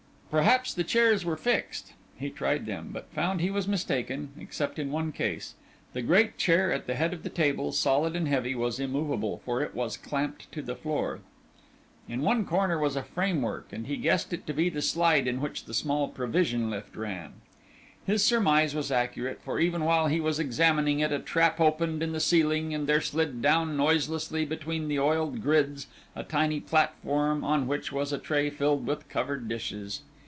Perhaps the chairs were fixed. He tried them, but found he was mistaken, except in one case. The great chair at the head of the table, solid and heavy, was immovable, for it was clamped to the floor. In one corner was a framework, and he guessed it to be the slide in which the small provision lift ran. His surmise was accurate, for even while he was examining it, a trap opened in the ceiling, and there slid down noiselessly between the oiled grids a tiny platform on which was a tray filled with covered dishes.